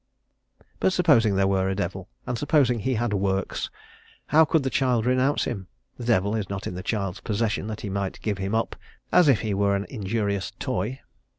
But supposing there were a devil, and supposing he had works, how could the child renounce him? The devil is not in the child's possession that he might give him up as if he were an injurious toy.